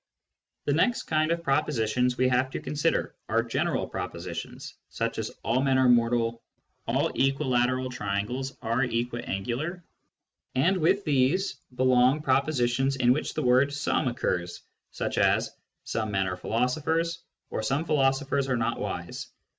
i The next kind of propositions we have to consider are ' general propositions, such as " all men are mortal," " all equilateral triangles are equiangular." And with these belong propositions in which the word " some " occurs, such as " some men are philosophers " or " some philoso phers are not wise."